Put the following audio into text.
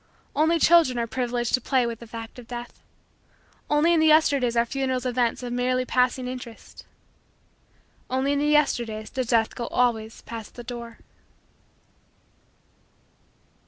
Only children are privileged to play with the fact of Death. Only in the Yesterdays are funerals events of merely passing interest. Only in the Yesterdays does Death go always past the door.